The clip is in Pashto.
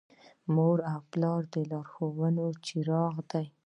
مور او پلار د لارښود څراغونه دي.